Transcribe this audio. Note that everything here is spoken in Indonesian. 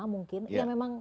yang memang sangat berbeda ya